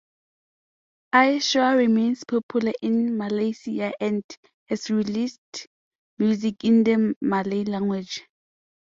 Aishah remains popular in Malaysia and has released music in the Malay language.